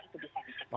itu bisa di segera